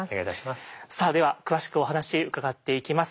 さあでは詳しくお話伺っていきます。